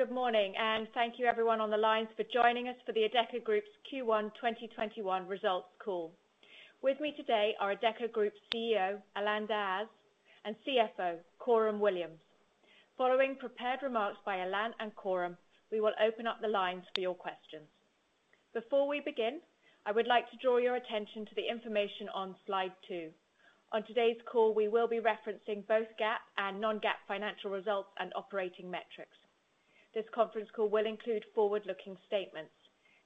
Good morning. Thank you, everyone on the lines, for joining us for the Adecco Group's Q1 2021 Results Call. With me today are Adecco Group CEO, Alain Dehaze, and CFO, Coram Williams. Following prepared remarks by Alain and Coram, we will open up the lines for your questions. Before we begin, I would like to draw your attention to the information on Slide two. On today's call, we will be referencing both GAAP and non-GAAP financial results and operating metrics. This conference call will include forward-looking statements.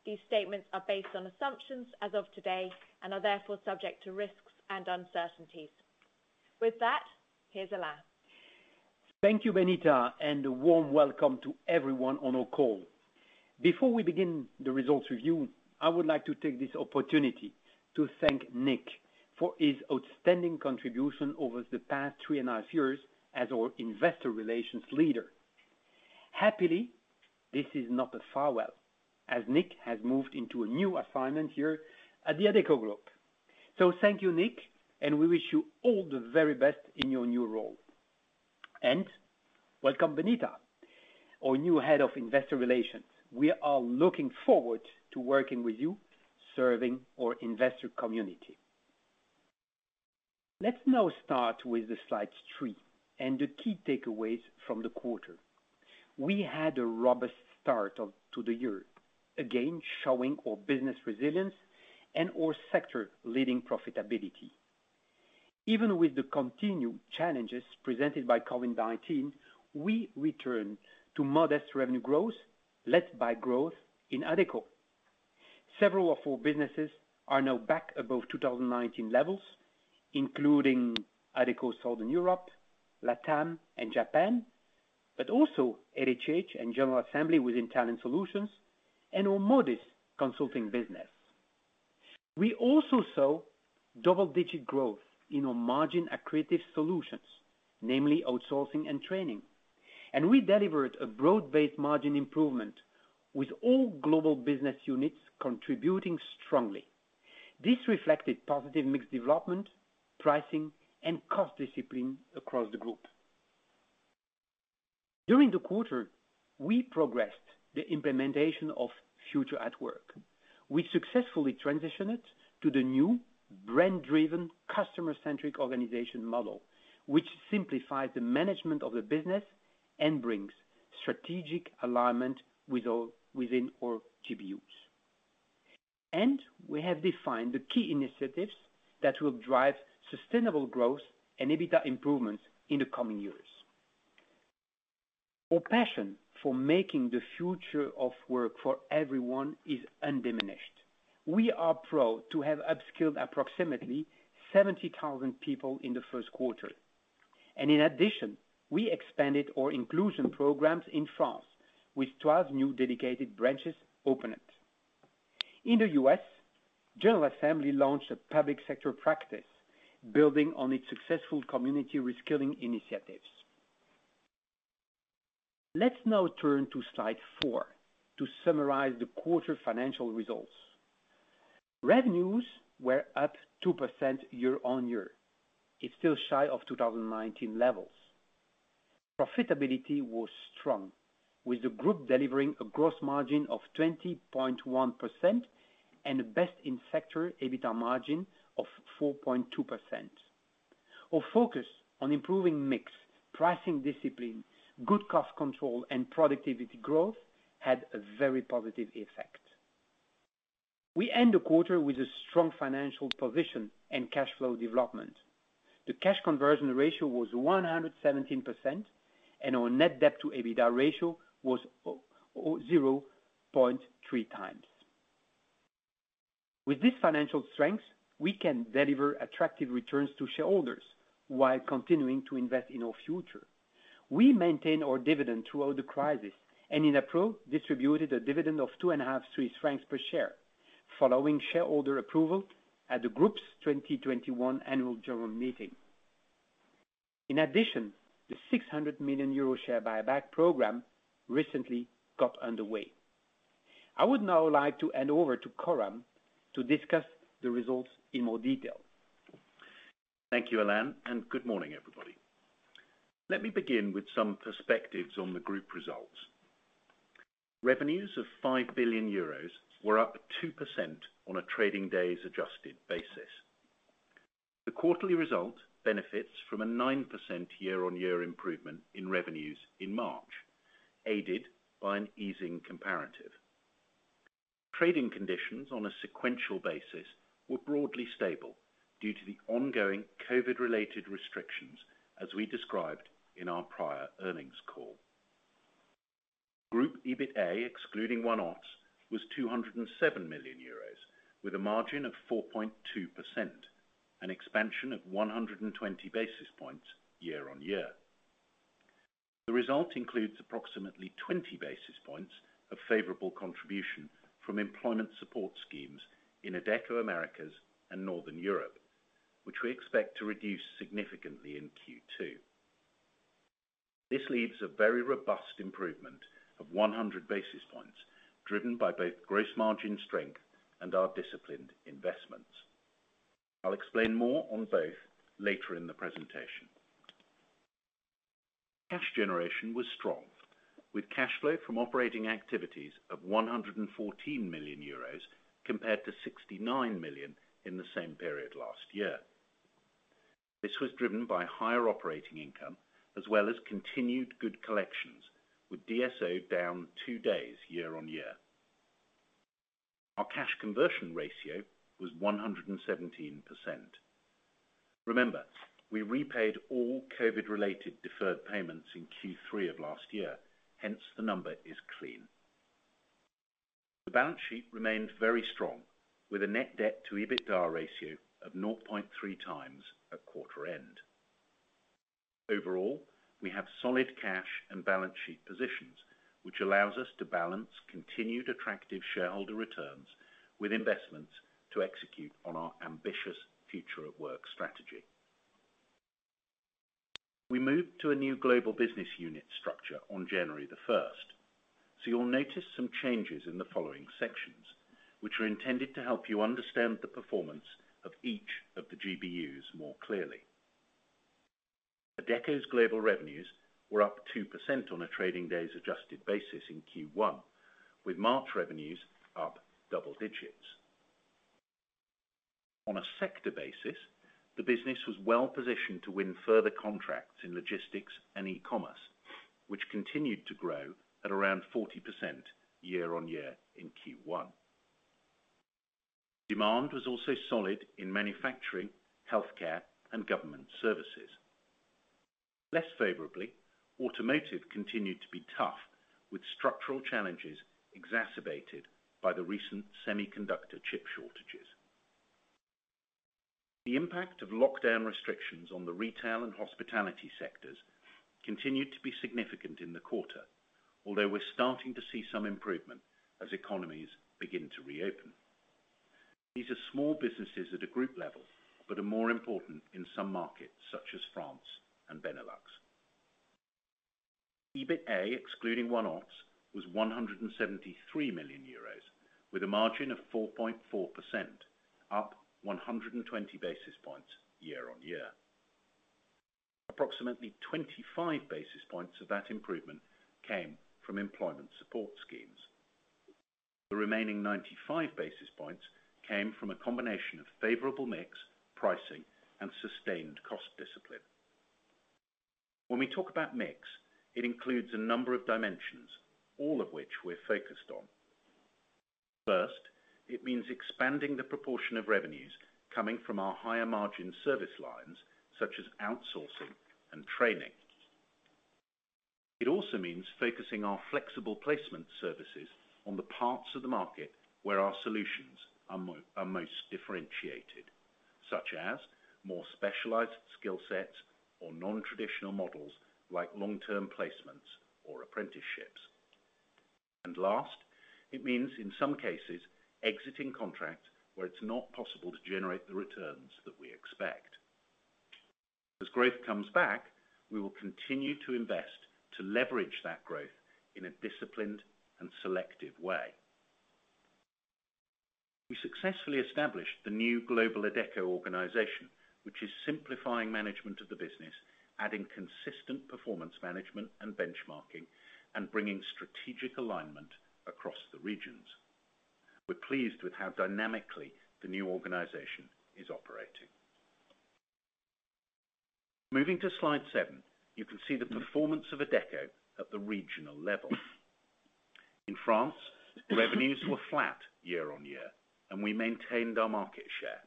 These statements are based on assumptions as of today and are therefore subject to risks and uncertainties. With that, here's Alain. Thank you, Benita. A warm welcome to everyone on our call. Before we begin the results review, I would like to take this opportunity to thank Nick for his outstanding contribution over the past three and a half years as our investor relations leader. Happily, this is not a farewell, as Nick has moved into a new assignment here at the Adecco Group. Thank you, Nick. We wish you all the very best in your new role. Welcome, Benita, our new head of investor relations. We are looking forward to working with you, serving our investor community. Let's now start with the Slide three and the key takeaways from the quarter. We had a robust start to the year, again, showing our business resilience and our sector-leading profitability. Even with the continued challenges presented by COVID-19, we return to modest revenue growth, led by growth in Adecco. Several of our businesses are now back above 2019 levels, including Adecco Southern Europe, LATAM, and Japan, but also LHH and General Assembly within Talent Solutions and our Modis consulting business. We also saw double-digit growth in our margin-accretive solutions, namely outsourcing and training. We delivered a broad-based margin improvement, with all global business units contributing strongly. This reflected positive mix development, pricing, and cost discipline across the Group. During the quarter, we progressed the implementation of Future@Work, which successfully transitioned to the new brand-driven, customer-centric organization model, which simplifies the management of the business and brings strategic alignment within our GBUs. We have defined the key initiatives that will drive sustainable growth and EBITDA improvements in the coming years. Our passion for making the future of work for everyone is undiminished. We are proud to have upskilled approximately 70,000 people in the first quarter. In addition, we expanded our inclusion programs in France, with 12 new dedicated branches opened. In the U.S., General Assembly launched a public sector practice building on its successful community reskilling initiatives. Let's now turn to Slide four to summarize the quarter's financial results. Revenues were up 2% year-on-year, it's still shy of 2019 levels. Profitability was strong, with the Group delivering a gross margin of 20.1% and a best-in-sector EBITDA margin of 4.2%. Our focus on improving mix, pricing discipline, good cost control, and productivity growth had a very positive effect. We end the quarter with a strong financial position and cash flow development. The cash conversion ratio was 117%, and our net debt to EBITDA ratio was 0.3x. With this financial strength, we can deliver attractive returns to shareholders while continuing to invest in our future. We maintained our dividend throughout the crisis and, in April, distributed a dividend of 2.50 Swiss francs per share, following shareholder approval at the Group's 2021 Annual General Meeting. In addition, the 600 million euro share buyback program recently got underway. I would now like to hand over to Coram to discuss the results in more detail. Thank you, Alain. Good morning, everybody. Let me begin with some perspectives on the Group results. Revenues of 5 billion euros were up 2% on a trading-days-adjusted basis. The quarterly result benefits from a 9% year-on-year improvement in revenues in March, aided by an easing comparison. Trading conditions on a sequential basis were broadly stable due to the ongoing COVID-related restrictions, as we described in our prior earnings call. Group EBITA, excluding one-offs, was 207 million euros, with a margin of 4.2%, an expansion of 120 basis points year-on-year. The result includes approximately 20 basis points of favorable contribution from employment support schemes in Adecco Americas and Northern Europe, which we expect to reduce significantly in Q2. This leaves a very robust improvement of 100 basis points, driven by both gross margin strength and our disciplined investments. I'll explain more on both later in the presentation. Cash generation was strong, with cash flow from operating activities of 114 million euros compared to 69 million in the same period last year. This was driven by higher operating income as well as continued good collections, with DSO down two days year-on-year. Our cash conversion ratio was 117%. Remember, we repaid all COVID-related deferred payments in Q3 of last year; hence, the number is clean. The balance sheet remained very strong, with a net debt to EBITDA ratio of 0.3x at quarter-end. Overall, we have solid cash and balance sheet positions, which allows us to balance continued attractive shareholder returns with investments to execute on our ambitious Future@Work strategy. We moved to a new global business unit structure on January 1st. You'll notice some changes in the following sections, which are intended to help you understand the performance of each of the GBUs more clearly. Adecco's global revenues were up 2% on a trading-day-adjusted basis in Q1, with March revenues up double-digits. On a sector basis, the business was well-positioned to win further contracts in logistics and e-commerce, which continued to grow at around 40% year-over-year in Q1. Demand was also solid in manufacturing, healthcare, and government services. Less favorably, automotive continued to be tough, with structural challenges exacerbated by the recent semiconductor chip shortages. The impact of lockdown restrictions on the retail and hospitality sectors continued to be significant in the quarter, although we're starting to see some improvement as economies begin to reopen. These are small businesses at a group level but are more important in some markets, such as France and Benelux. EBITA, excluding one-offs, was 173 million euros, with a margin of 4.4%, up 120 basis points year-on-year. Approximately 25 basis points of that improvement came from employment support schemes. The remaining 95 basis points came from a combination of favorable mix, pricing, and sustained cost discipline. When we talk about mix, it includes a number of dimensions, all of which we're focused on. First, it means expanding the proportion of revenues coming from our higher-margin service lines, such as outsourcing and training. It also means focusing our flexible placement services on the parts of the market where our solutions are most differentiated, such as more specialized skill sets or non-traditional models like long-term placements or apprenticeships. Last, it means, in some cases, exiting contracts where it's not possible to generate the returns that we expect. As growth comes back, we will continue to invest to leverage that growth in a disciplined and selective way. We successfully established the new global Adecco organization, which is simplifying management of the business, adding consistent performance management and benchmarking, and bringing strategic alignment across the regions. We're pleased with how dynamically the new organization is operating. Moving to slide seven, you can see the performance of Adecco at the regional level. In France, revenues were flat year-on-year, and we maintained our market share.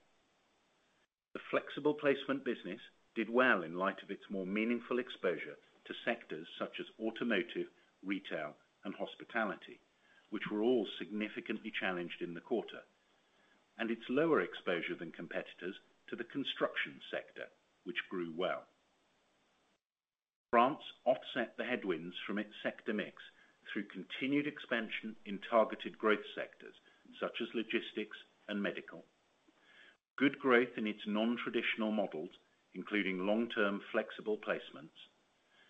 The flexible placement business did well in light of its more meaningful exposure to sectors such as automotive, retail, and hospitality, which were all significantly challenged in the quarter. It has lower exposure than competitors to the construction sector, which grew well. France offset the headwinds from its sector mix through continued expansion in targeted growth sectors such as logistics and medical. Good growth in its non-traditional models, including long-term flexible placements,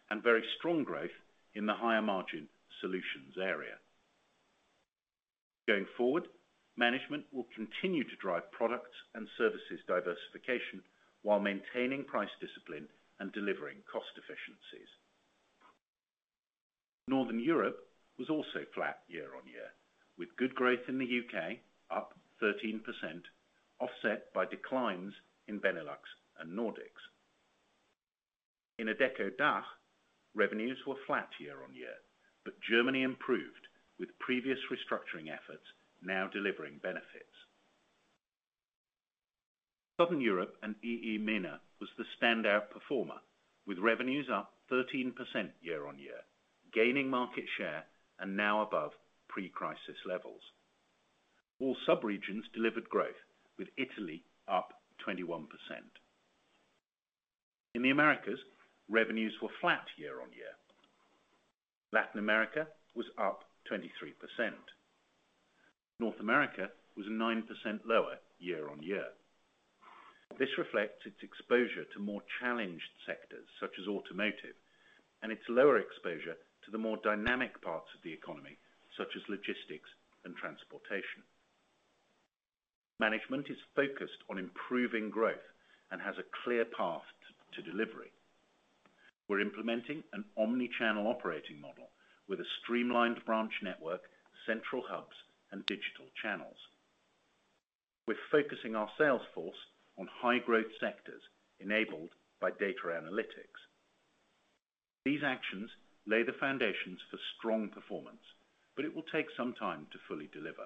and very strong growth in the higher-margin solutions area. Going forward, management will continue to drive product and service diversification while maintaining price discipline and delivering cost efficiencies. Northern Europe was also flat year-on-year, with good growth in the U.K. up 13%, offset by declines in Benelux and the Nordics. In Adecco DACH, revenues were flat year-on-year, but Germany improved with previous restructuring efforts now delivering benefits. Southern Europe and EEMENA were the standout performers, with revenues up 13% year-on-year, gaining market share, and now above pre-crisis levels. All subregions delivered growth, with Italy up 21%. In the Americas, revenues were flat year-on-year. Latin America was up 23%. North America was 9% lower year-on-year. This reflects its exposure to more challenged sectors such as automotive and its lower exposure to the more dynamic parts of the economy, such as logistics and transportation. Management is focused on improving growth and has a clear path to delivery. We're implementing an omni-channel operating model with a streamlined branch network, central hubs, and digital channels. We're focusing our sales force on high-growth sectors enabled by data analytics. These actions lay the foundations for strong performance, but it will take some time to fully deliver.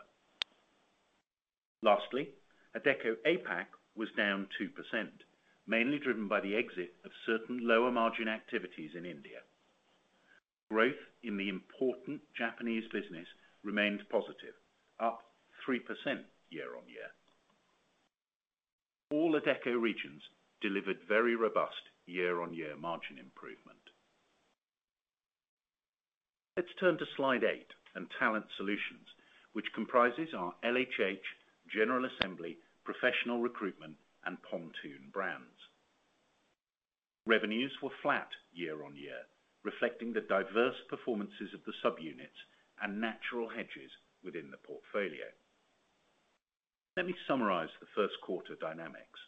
Lastly, Adecco APAC was down 2%, mainly driven by the exit of certain lower-margin activities in India. Growth in the important Japanese business remained positive, up 3% year-on-year. All Adecco regions delivered very robust year-on-year margin improvement. Let's turn to Slide eight and Talent Solutions, which comprises our LHH, General Assembly, Professional Recruitment, and Pontoon brands. Revenues were flat year-on-year, reflecting the diverse performances of the sub-units and natural hedges within the portfolio. Let me summarize the first quarter dynamics.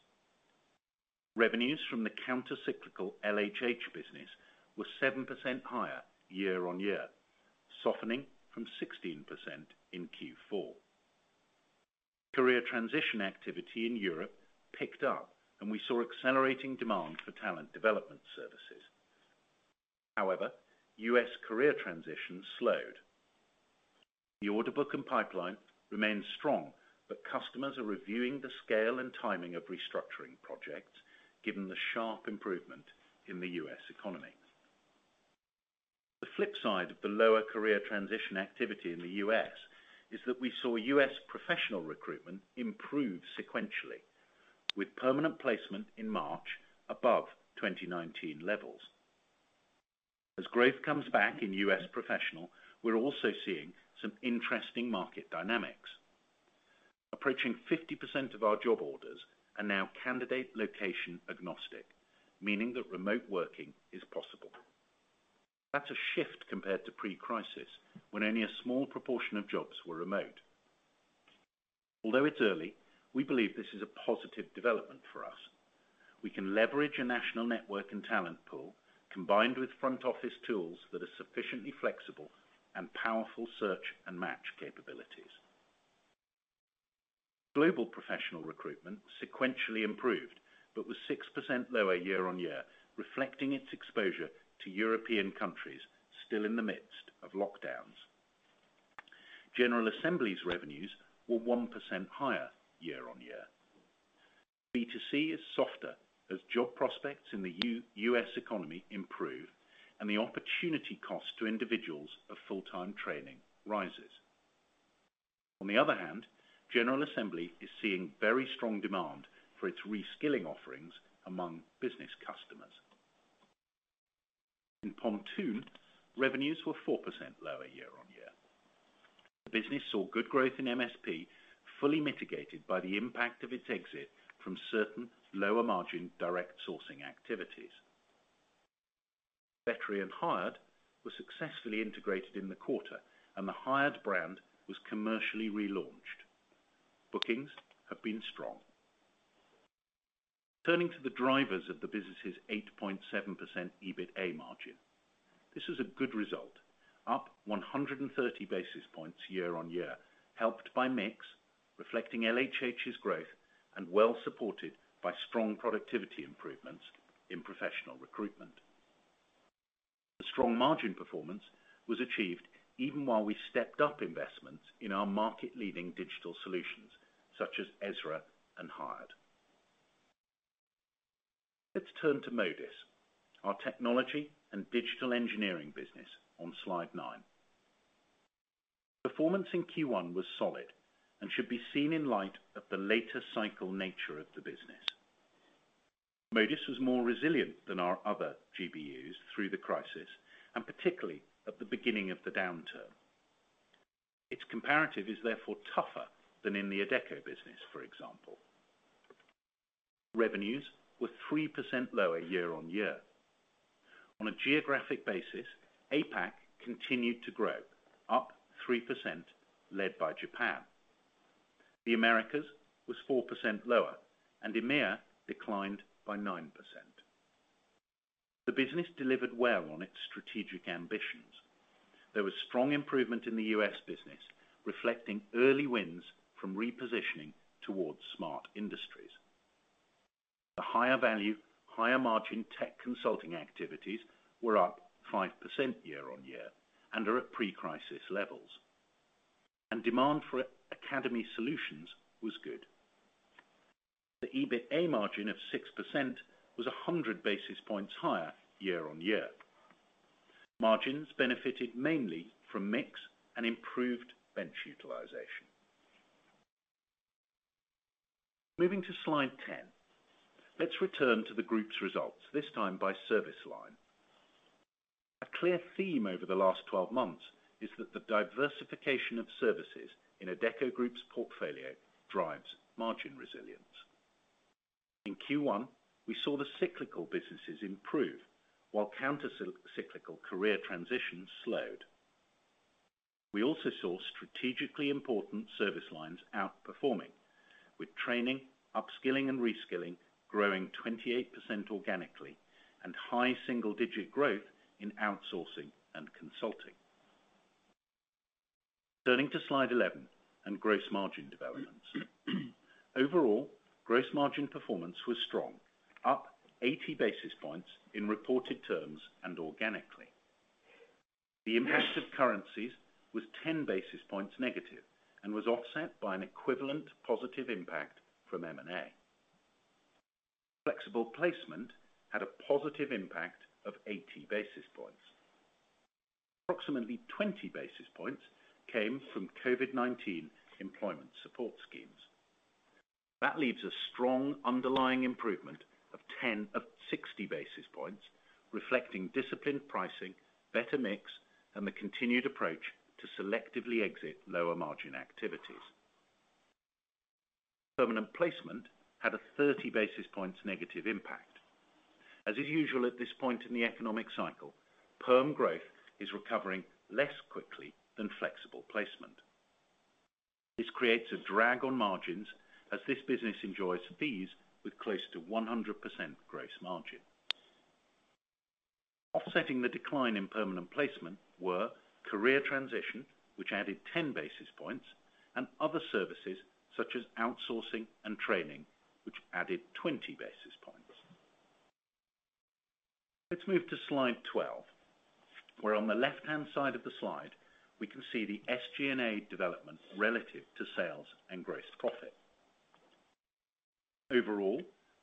Revenues from the counter-cyclical LHH business were 7% higher year-on-year, softening from 16% in Q4. Career transition activity in Europe picked up, and we saw accelerating demand for talent development services. However, U.S. career transitions slowed. The order book and pipeline remained strong, but customers are reviewing the scale and timing of restructuring projects given the sharp improvement in the U.S. economy. The flip side of the lower career transition activity in the U.S. is that we saw U.S. professional recruitment improve sequentially, with permanent placement in March above 2019 levels. As growth comes back in U.S. professional, we're also seeing some interesting market dynamics. Approaching 50% of our job orders are now candidate location agnostic, meaning that remote working is possible. That's a shift compared to pre-crisis, when only a small proportion of jobs were remote. Although it's early, we believe this is a positive development for us. We can leverage a national network and talent pool, combined with front office tools that are sufficiently flexible and powerful search and match capabilities. Global professional recruitment sequentially improved but was 6% lower year-on-year, reflecting its exposure to European countries still in the midst of lockdowns. General Assembly's revenues were 1% higher year-on-year. B2C is softer as job prospects in the U.S. economy improve and the opportunity cost to individuals of full-time training rises. On the other hand, General Assembly is seeing very strong demand for its reskilling offerings among business customers. In Pontoon, revenues were 4% lower year-on-year. The business saw good growth in MSP, fully mitigated by the impact of its exit from certain lower-margin direct sourcing activities. Vettery and Hired were successfully integrated in the quarter, and the Hired brand was commercially relaunched. Bookings have been strong. Turning to the drivers of the business's 8.7% EBITA margin. This was a good result, up 130 basis points year-on-year, helped by a mix reflecting LHH's growth and well supported by strong productivity improvements in professional recruitment. The strong margin performance was achieved even while we stepped up investments in our market-leading digital solutions, such as EZRA and Hired. Let's turn to Modis, our technology and digital engineering business on Slide nine. Performance in Q1 was solid and should be seen in light of the later cycle nature of the business. Modis was more resilient than our other GBUs through the crisis, and particularly at the beginning of the downturn. Its comparative is therefore tougher than in the Adecco business, for example. Revenues were 3% lower year-on-year. On a geographic basis, APAC continued to grow, up 3%, led by Japan. The Americas were 4% lower, and EEMENA declined by 9%. The business delivered well on its strategic ambitions. There was strong improvement in the U.S. business, reflecting early wins from repositioning towards Smart Industry. The higher-value, higher-margin tech consulting activities were up 5% year-on-year and are at pre-crisis levels. Demand for academy solutions was good. The EBITA margin of 6% was 100 basis points higher year-on-year. Margins benefited mainly from the mix and improved bench utilization. Moving to Slide 10. Let's return to the group's results, this time by service line. A clear theme over the last 12 months is that the diversification of services in Adecco Group's portfolio drives margin resilience. In Q1, we saw the cyclical businesses improve while counter-cyclical career transitions slowed. We also saw strategically important service lines outperforming, with training, upskilling, and reskilling growing 28% organically and high single-digit growth in outsourcing and consulting. Turning to slide 11 on gross margin developments. Overall, gross margin performance was strong, up 80 basis points in reported terms and organically. The impact of currencies was 10 basis points negative and was offset by an equivalent positive impact from M&A. Flexible placement had a positive impact of 80 basis points. Approximately 20 basis points came from COVID-19 employment support schemes. That leaves a strong underlying improvement of 60 basis points, reflecting disciplined pricing, better mix, and the continued approach to selectively exit lower-margin activities. Permanent placement had a 30 basis points negative impact. As is usual at this point in the economic cycle, perm growth is recovering less quickly than flexible placement. This creates a drag on margins as this business enjoys fees with close to 100% gross margin. Offsetting the decline in permanent placement were career transition, which added 10 basis points, and other services such as outsourcing and training, which added 20 basis points. Let's move to slide 12, where on the left-hand side of the slide, we can see the SG&A development relative to sales and gross profit. Overall,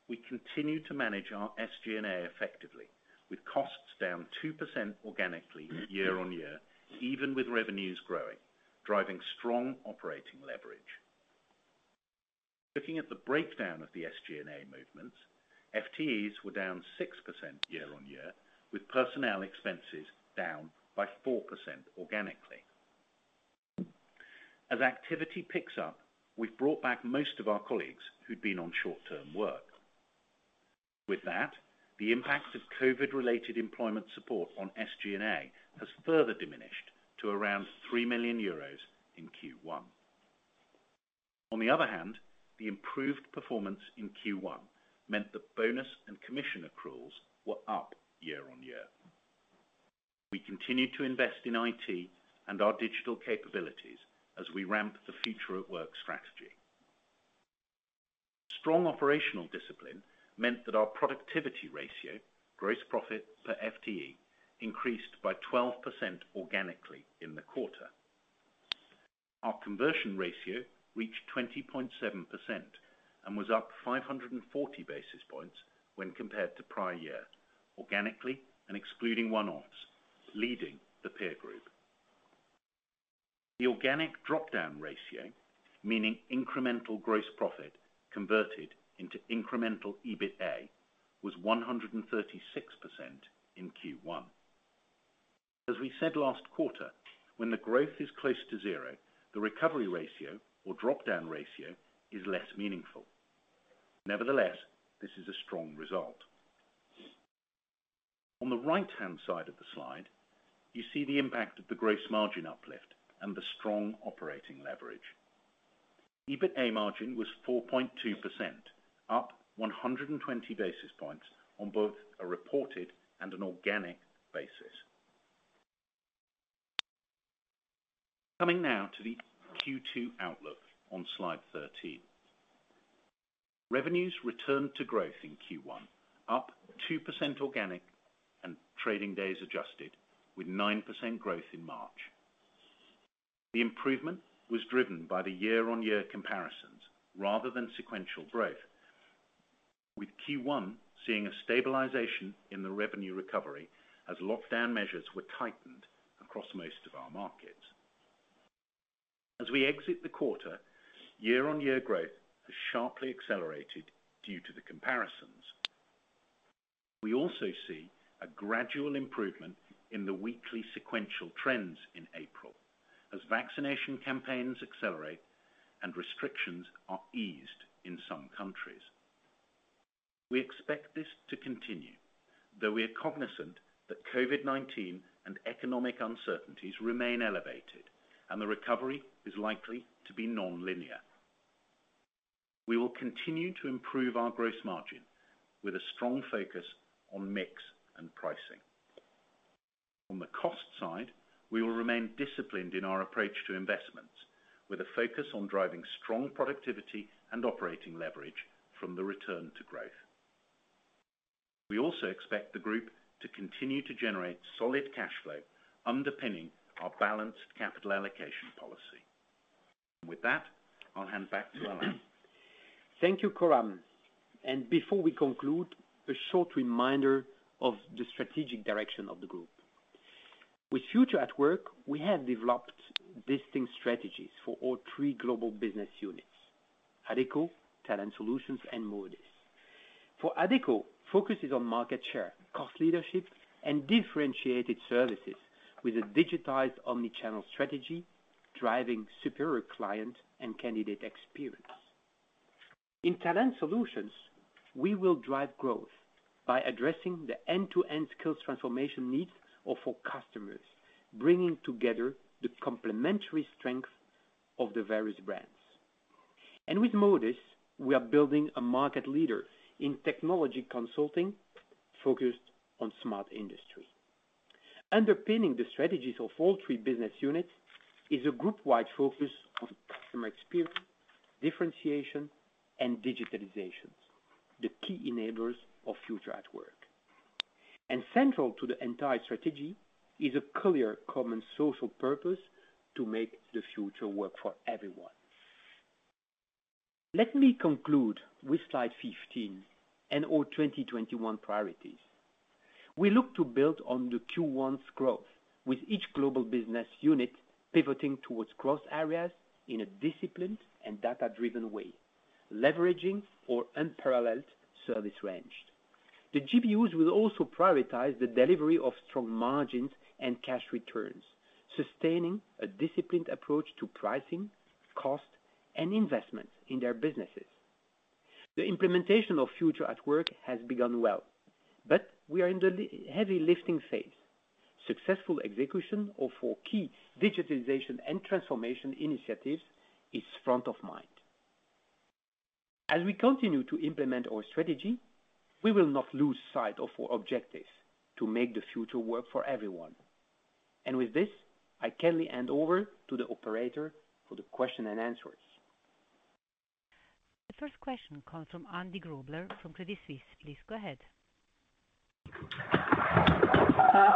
we continue to manage our SG&A effectively with costs down 2% organically year-on-year, even with revenues growing, driving strong operating leverage. Looking at the breakdown of the SG&A movements, FTEs were down 6% year-on-year, with personnel expenses down by 4% organically. As activity picks up, we've brought back most of our colleagues who'd been on short-term work. With that, the impact of COVID-related employment support on SG&A has further diminished to around 3 million euros in Q1. On the other hand, the improved performance in Q1 meant that bonus and commission accruals were up year-on-year. We continued to invest in IT and our digital capabilities as we ramp up the Future@Work strategy. Strong operational discipline meant that our productivity ratio, gross profit per FTE, increased by 12% organically in the quarter. Our conversion ratio reached 20.7% and was up 540 basis points when compared to the prior year, organically and excluding one-offs, leading the peer group. The organic drop-down ratio, meaning incremental gross profit converted into incremental EBITA, was 136% in Q1. As we said last quarter, when the growth is close to zero, the recovery ratio or drop-down ratio is less meaningful. Nevertheless, this is a strong result. On the right-hand side of the slide, you see the impact of the gross margin uplift and the strong operating leverage. EBITA margin was 4.2%, up 120 basis points on both a reported and an organic basis. Coming now to the Q2 outlook on slide 13. Revenues returned to growth in Q1, up 2% organically and trading-day adjusted, with 9% growth in March. The improvement was driven by the year-on-year comparisons rather than sequential growth, with Q1 seeing a stabilization in the revenue recovery as lockdown measures were tightened across most of our markets. As we exit the quarter, year-on-year growth has sharply accelerated due to the comparisons. We also see a gradual improvement in the weekly sequential trends in April as vaccination campaigns accelerate and restrictions are eased in some countries. We expect this to continue, though we are cognizant that COVID-19 and economic uncertainties remain elevated, and the recovery is likely to be nonlinear. We will continue to improve our gross margin with a strong focus on mix and pricing. On the cost side, we will remain disciplined in our approach to investments, with a focus on driving strong productivity and operating leverage from the return to growth. We also expect the group to continue to generate solid cash flow underpinning our balanced capital allocation policy. With that, I'll hand back to Alain. Thank you, Coram. Before we conclude, a short reminder of the strategic direction of the group. With Future@Work, we have developed distinct strategies for all three global business units, Adecco, Talent Solutions, and Modis. For Adecco, focus is on market share, cost leadership, and differentiated services with a digitized omni-channel strategy. Driving superior client and candidate experience. In Talent Solutions, we will drive growth by addressing the end-to-end skills transformation needs of our customers, bringing together the complementary strengths of the various brands. With Modis, we are building a market leader in technology consulting focused on Smart Industry. Underpinning the strategies of all three business units is a group-wide focus on customer experience, differentiation, and digitalization. The key enablers of Future@Work. Central to the entire strategy is a clear common social purpose to make the future work for everyone. Let me conclude with slide 15 and our 2021 priorities. We look to build on Q1's growth with each Global Business Unit pivoting towards growth areas in a disciplined and data-driven way, leveraging our unparalleled service range. The GBUs will also prioritize the delivery of strong margins and cash returns, sustaining a disciplined approach to pricing, cost, and investment in their businesses. The implementation of Future@Work has begun well. We are in the heavy lifting phase. Successful execution of our key digitization and transformation initiatives is front of mind. As we continue to implement our strategy, we will not lose sight of our objectives to make the future work for everyone. With this, I kindly hand over to the operator for the questions and answers. The first question comes from Andy Grobler from Credit Suisse. Please go ahead.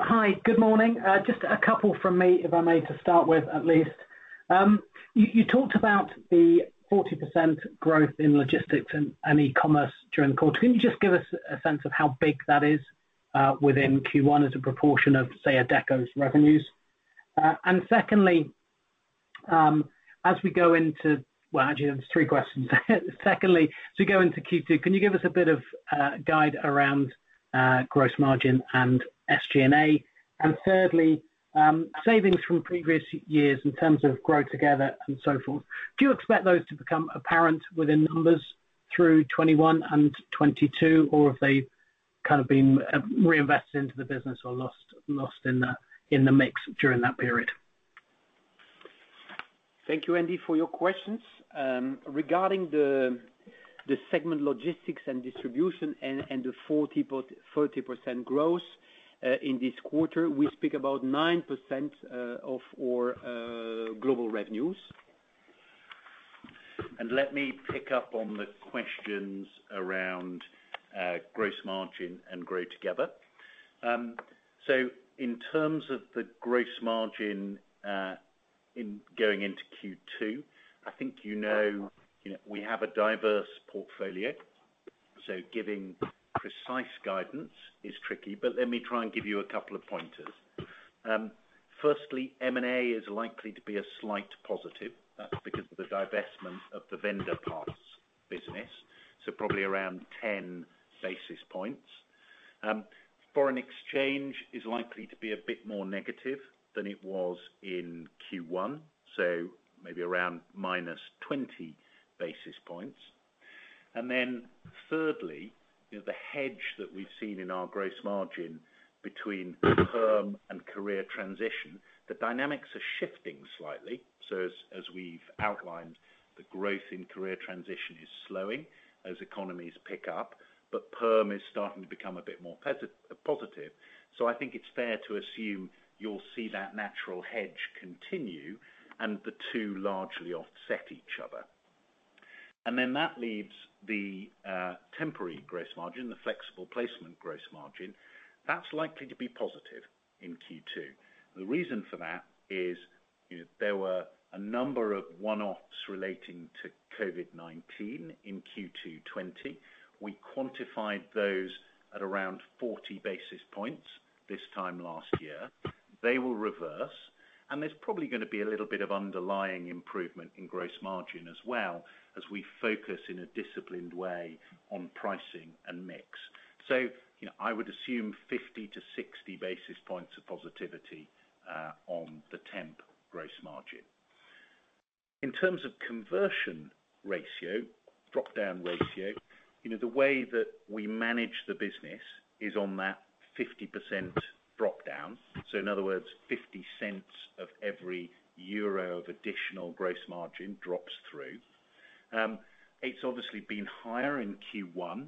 Hi, good morning. Just a couple from me, if I may, to start with at least. You talked about the 40% growth in logistics and e-commerce during the quarter. Can you just give us a sense of how big that is within Q1 as a proportion of, say, Adecco's revenues? Secondly, as we go into Well, actually, there are three questions. Secondly, as we go into Q2, can you give us a bit of a guide around gross margin and SG&A? Thirdly, savings from previous years in terms of GrowTogether and so forth—do you expect those to become apparent within numbers through 2021 and 2022, or have they kind of been reinvested into the business or lost in the mix during that period? Thank you, Andy, for your questions. Regarding the segment logistics and distribution and the 40% growth, in this quarter, we speak about 9% of our global revenue. Let me pick up on the questions around gross margin and GrowTogether. In terms of the gross margin in going into Q2, I think you know we have a diverse portfolio, so giving precise guidance is tricky, but let me try and give you a couple of pointers. Firstly, M&A is likely to be a slight positive. That's because of the divestment of the vendor parts business. Probably around 10 basis points. Foreign exchange is likely to be a bit more negative than it was in Q1, so maybe around -20 basis points. Thirdly, the hedge that we've seen in our gross margin between perm and career transition, the dynamics are shifting slightly. As we've outlined, the growth in career transition is slowing as economies pick up, but perm is starting to become a bit more positive. I think it's fair to assume you'll see that natural hedge continue and the two largely offset each other. That leaves the temporary gross margin, the flexible placement gross margin. That's likely to be positive in Q2. The reason for that is there were a number of one-offs relating to COVID-19 in Q2 2020. We quantified those at around 40 basis points this time last year. They will reverse, and there's probably going to be a little bit of underlying improvement in gross margin as well as we focus in a disciplined way on pricing and mix. I would assume 50-60 basis points of positivity on the temp gross margin. In terms of conversion ratio and drop-down ratio, the way that we manage the business is on that 50% drop-down. In other words, 0.50 of every euro of additional gross margin drops through. It's obviously been higher in Q1.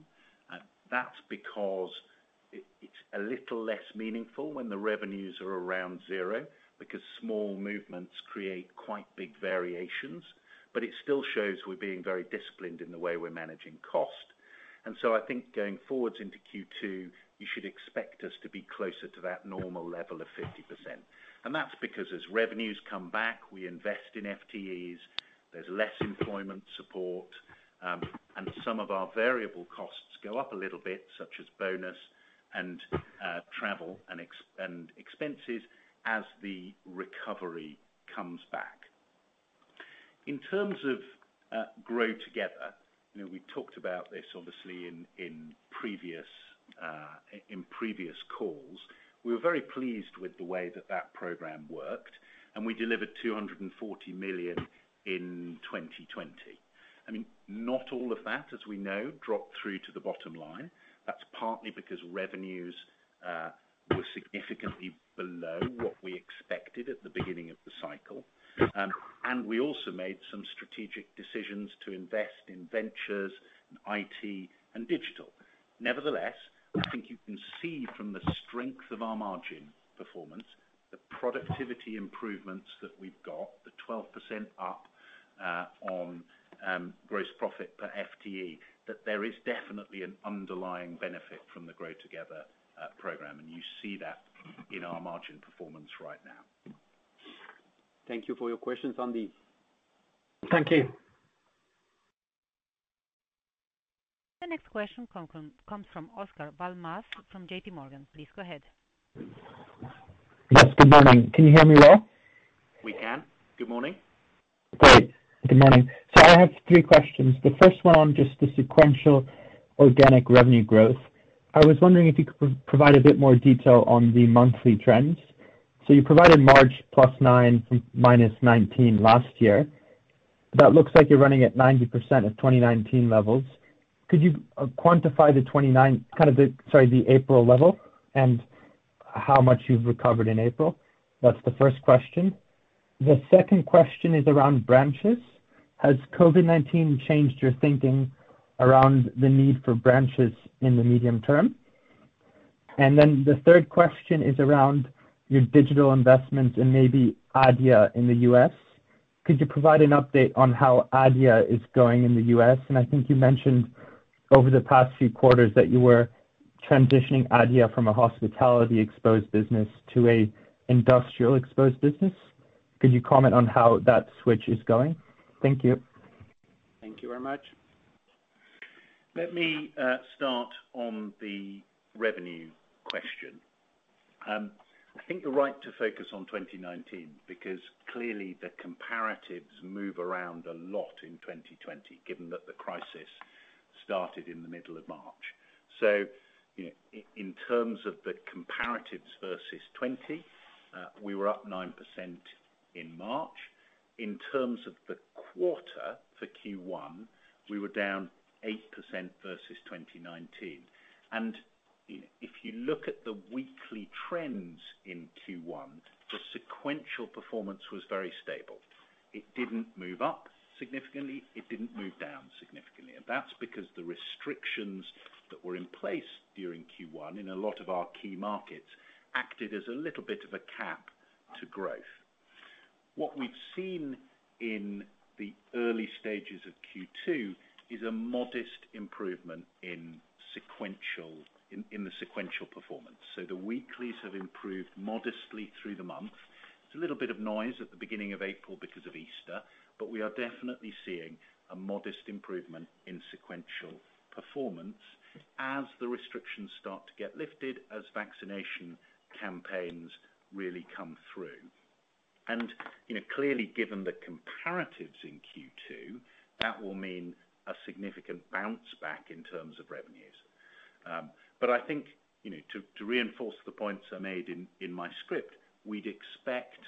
That's because it's a little less meaningful when the revenues are around zero because small movements create quite big variations. It still shows we're being very disciplined in the way we're managing cost. I think going forwards into Q2, you should expect us to be closer to that normal level of 50%. That's because as revenues come back, we invest in FTEs, there's less employment support, and some of our variable costs go up a little bit, such as bonuses and travel and expenses, as the recovery comes back. In terms of GrowTogether, we talked about this obviously in previous calls. We were very pleased with the way that that program worked, and we delivered 240 million in 2020. Not all of that, as we know, dropped through to the bottom line. That's partly because revenues were significantly below what we expected at the beginning of the cycle. We also made some strategic decisions to invest in ventures and IT and digital. Nevertheless, I think you can see from the strength of our margin performance, the productivity improvements that we've got, and the 12% up on gross profit per FTE, that there is definitely an underlying benefit from the GrowTogether program. You see that in our margin performance right now. Thank you for your questions on these. Thank you. The next question comes from Oscar Val Mas from J.P. Morgan. Please go ahead. Yes, good morning. Can you hear me well? We can. Good morning. Great. Good morning. I have three questions. The first one is just the sequential organic revenue growth. I was wondering if you could provide a bit more detail on the monthly trends. You provided March +9 from -19 last year. That looks like you're running at 90% of 2019 levels. Could you quantify the April level and how much you've recovered in April? That's the first question. The second question is around branches. Has COVID-19 changed your thinking around the need for branches in the medium term? The third question is around your digital investments and maybe Adia in the U.S. Could you provide an update on how Adia is going in the U.S.? I think you mentioned over the past few quarters that you were transitioning Adia from a hospitality-exposed business to an industrial-exposed business. Could you comment on how that switch is going? Thank you. Thank you very much. Let me start on the revenue question. I think you're right to focus on 2019 because clearly the comparatives move around a lot in 2020, given that the crisis started in the middle of March. In terms of the comparatives versus 2020, we were up 9% in March. In terms of the quarter for Q1, we were down 8% versus 2019. If you look at the weekly trends in Q1, the sequential performance was very stable. It didn't move up significantly. It didn't move down significantly. That's because the restrictions that were in place during Q1 in a lot of our key markets acted as a little bit of a cap to growth. What we've seen in the early stages of Q2 is a modest improvement in the sequential performance. The weeklies have improved modestly through the month. There's a little bit of noise at the beginning of April because of Easter, but we are definitely seeing a modest improvement in sequential performance as the restrictions start to get lifted, as vaccination campaigns really come through. Clearly, given the comparatives in Q2, that will mean a significant bounce back in terms of revenues. I think to reinforce the points I made in my script, we'd expect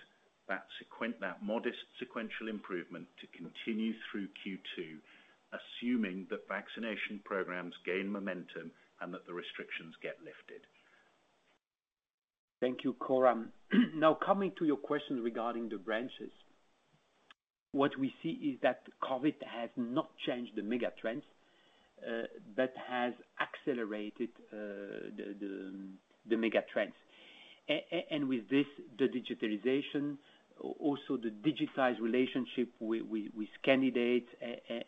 that modest sequential improvement to continue through Q2, assuming that vaccination programs gain momentum and that the restrictions get lifted. Thank you, Coram. Coming to your question regarding the branches, what we see is that COVID has not changed the mega trends but has accelerated the mega trends. With this, the digitalization, also the digitized relationship with candidates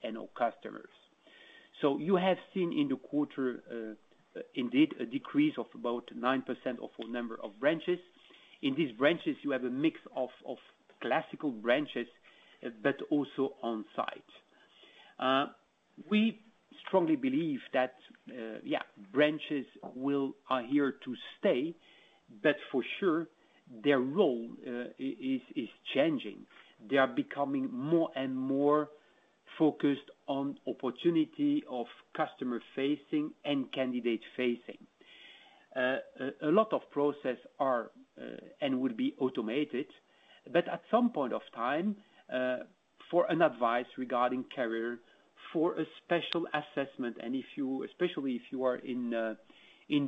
and our customers. You have seen in the quarter, indeed, a decrease of about 9% of our number of branches. In these branches, you have a mix of classical branches, but also on-site. We strongly believe that branches are here to stay, but for sure, their role is changing. They are becoming more and more focused on the opportunity of customer-facing and candidate-facing. A lot of processes are and will be automated, but at some point in time, for advice regarding careers, for a special assessment, and especially if you are in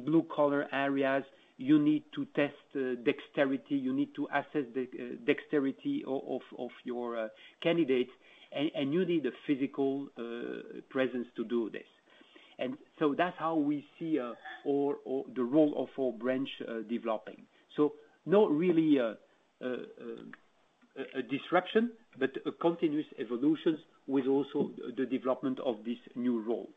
blue-collar areas, you need to test dexterity, you need to assess the dexterity of your candidates, and you need a physical presence to do this. That's how we see the role of our branch developing. Not really a disruption, but a continuous evolution, with the development of this new role.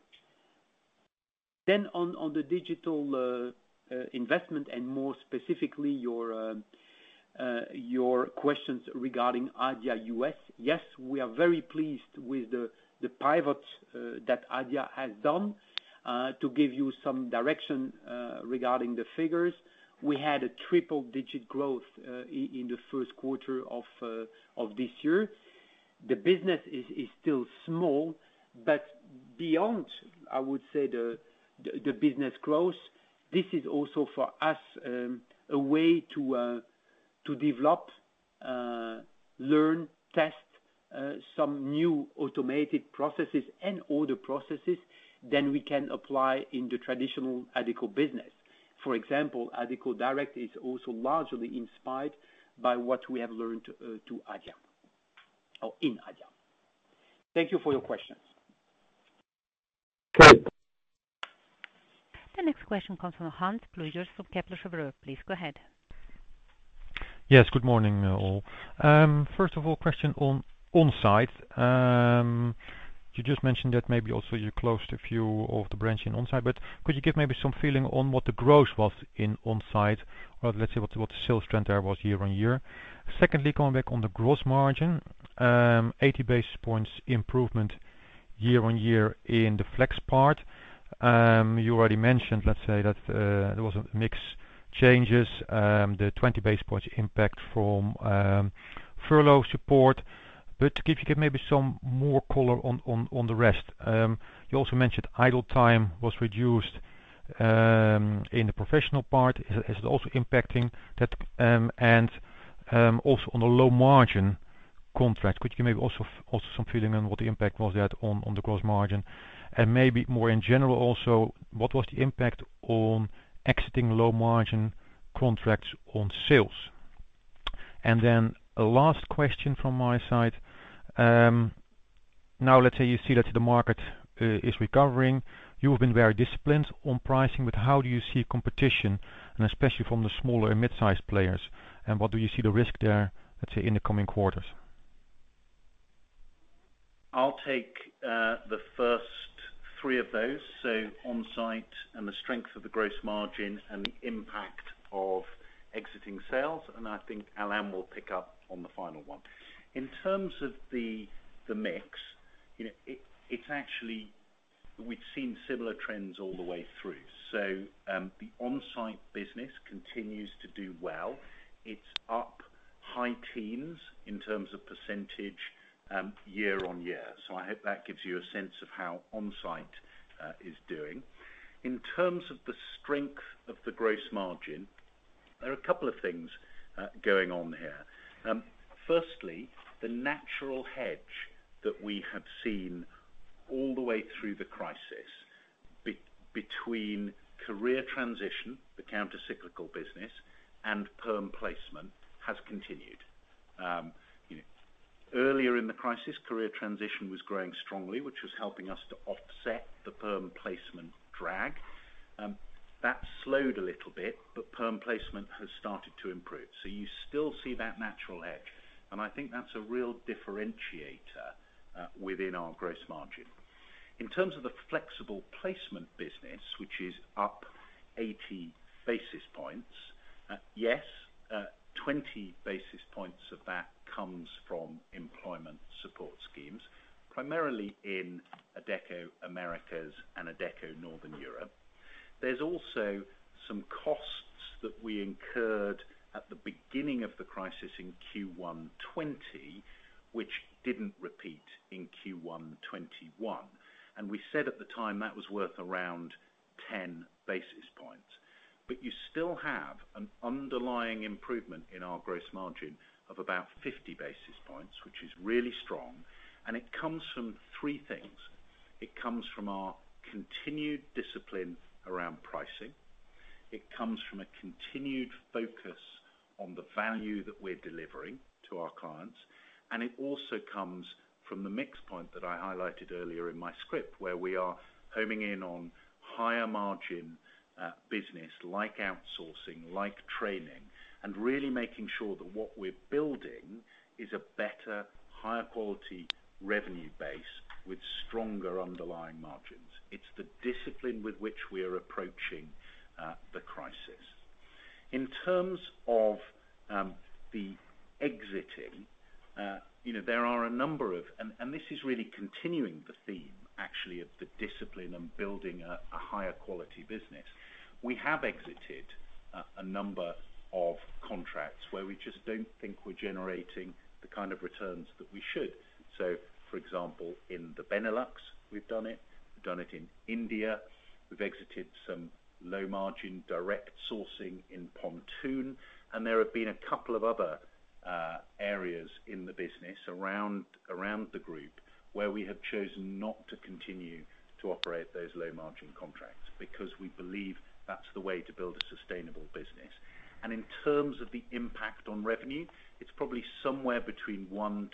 On digital investment and more specifically your questions regarding Adia U.S., yes, we are very pleased with the pivot that Adia has done. To give you some direction regarding the figures, we had triple-digit growth in the first quarter of this year. The business is still small, but beyond, I would say, the business growth, this is also for us a way to develop, learn, and test some new automated processes and other processes that we can apply in the traditional Adecco business. For example, Adecco Direct is also largely inspired by what we have learned from Adia or in Adia. Thank you for your questions. Great. The next question comes from Hans Heimbürger from Kepler Cheuvreux. Please go ahead. Yes. Good morning, all. First of all, a question on-site. You just mentioned that maybe also you closed a few of the branches onsite; could you give maybe some feelings on what the growth was onsite or, let's say, what the sales trend there was year-on-year? Secondly, coming back on the gross margin, there was an 80 basis point improvement year-on-year in the flex part. You already mentioned, let's say that there was a mix of changes, the 20 basis points impact from furlough support. Could you give maybe some more color on the rest? You also mentioned idle time was reduced in the professional part. Is it also impacting that? Also on the low-margin contract, could you maybe also give some feelings on what the impact was on the gross margin? Maybe more in general also, what was the impact of exiting low-margin contracts on sales? Then a last question from my side. Now let's say you see that the market is recovering. You have been very disciplined on pricing, but how do you see competition, especially from the smaller mid-size players? What do you see the risk there, let's say, in the coming quarters? I'll take the first three of those. Onsite, the strength of the gross margin, and the impact of exiting sales, and I think Alain will pick up on the final one. In terms of the mix, we've seen similar trends all the way through. The onsite business continues to do well. It's up high teens in terms of percentage year-on-year. I hope that gives you a sense of how onsite is doing. In terms of the strength of the gross margin, there are a couple of things going on here. Firstly, the natural hedge that we have seen all the way through the crisis between career transition, the countercyclical business, and perm placement has continued. Earlier in the crisis, career transition was growing strongly, which was helping us to offset the perm placement drag. That slowed a little bit, but perm placement has started to improve. You still see that natural hedge, and I think that's a real differentiator within our gross margin. In terms of the flexible placement business, which is up 80 basis points. Yes, 20 basis points of that comes from employment support schemes, primarily in Adecco Americas and Adecco Northern Europe. There were also some costs that we incurred at the beginning of the crisis in Q1 2020, which didn't repeat in Q1 2021. We said at the time that was worth around 10 basis points. You still have an underlying improvement in our gross margin of about 50 basis points, which is really strong, and it comes from three things. It comes from our continued discipline around pricing. It comes from a continued focus on the value that we're delivering to our clients. It also comes from the mix point that I highlighted earlier in my script, where we are homing in on higher-margin business like outsourcing and like training and really making sure that what we're building is a better, higher-quality revenue base with stronger underlying margins. It's the discipline with which we are approaching the crisis. In terms of the exit, this is really continuing the theme, actually, of the discipline and building a higher-quality business. We have exited a number of contracts where we just don't think we're generating the kind of returns that we should. For example, in the Benelux, we've done it, we've done it in India, we've exited some low-margin direct sourcing in Pontoon, and there have been a couple of other areas in the business around the Group where we have chosen not to continue to operate those low-margin contracts because we believe that's the way to build a sustainable business. In terms of the impact on revenue, it's probably somewhere between 1%-2%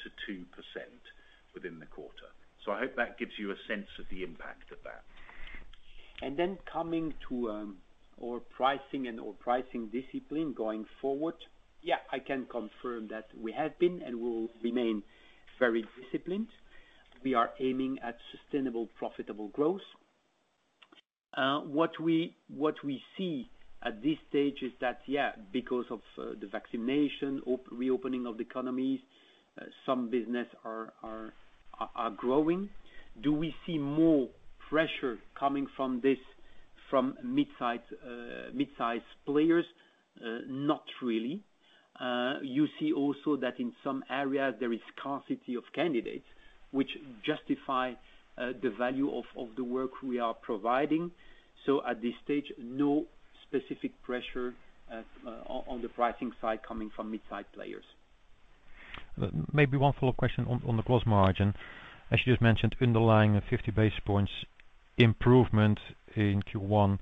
within the quarter. I hope that gives you a sense of the impact of that. Coming to our pricing and our pricing discipline going forward. I can confirm that we have been and will remain very disciplined. We are aiming at sustainable, profitable growth. What we see at this stage is that, because of the vaccination and reopening of the economies, some businesses are growing. Do we see more pressure coming from mid-size players, not really. You see also that in some areas there is scarcity of candidates, which justifies the value of the work we are providing. At this stage, there is no specific pressure on the pricing side coming from mid-size players. Maybe one follow-up question on the gross margin. As you just mentioned, there was an underlying 50 basis point improvement in Q1,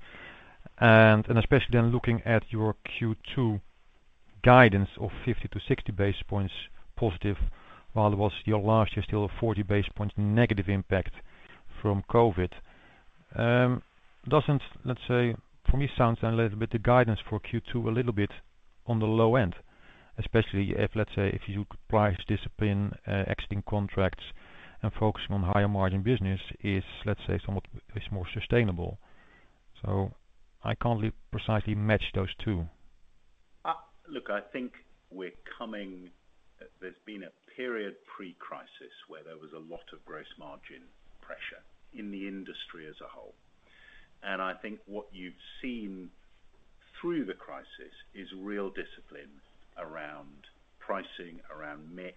especially when looking at your Q2 guidance of 50-60 basis points positive, while it was your largest deal with a 40 basis point negative impact from COVID. For me it sounds a little bit the guidance for Q2 a little bit on the low-end, especially if you could price discipline exiting contracts and focusing on higher margin business is more sustainable. I can't precisely match those two. Look, I think there's been a period pre-crisis where there was a lot of gross margin pressure in the industry as a whole, and I think what you've seen through the crisis is real discipline around pricing, around mix,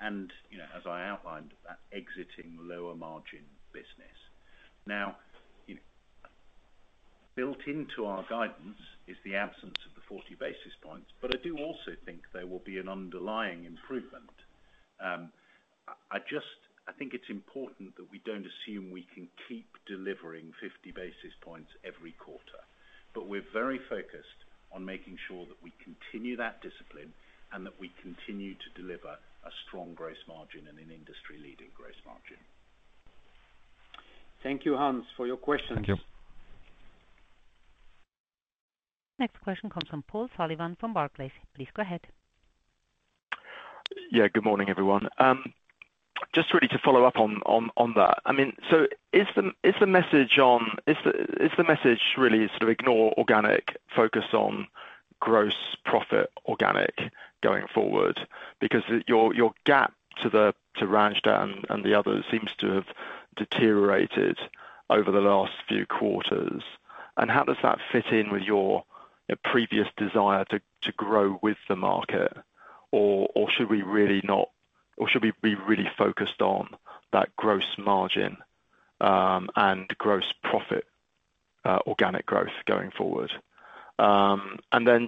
and, as I outlined, exiting lower-margin business. Built into our guidance is the absence of the 40 basis points, but I do also think there will be an underlying improvement. I think it's important that we don't assume we can keep delivering 50 basis points every quarter, but we're very focused on making sure that we continue that discipline and that we continue to deliver a strong gross margin and an industry-leading gross margin. Thank you, Hans, for your questions. Thank you. Next question comes from Paul Sullivan from Barclays. Please go ahead. Yeah. Good morning, everyone. Just really to follow up on that. Is the message really sort of ignoring organic and focusing on gross profit organic going forward? Your gap to Randstad and the others seems to have deteriorated over the last few quarters. How does that fit in with your previous desire to grow with the market? Should we be really focused on that gross margin and gross profit organic growth going forward?